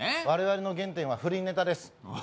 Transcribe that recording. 我々の原点は不倫ネタです。